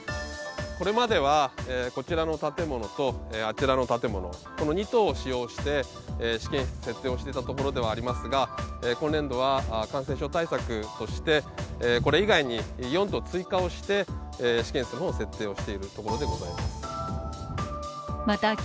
これまではこちらの建物とあちらの建物、この２棟を使用して試験室設定をしていたところでありますが今年度は感染症対策としてこれ以外に４棟追加をして試験室を設定しているところでございます。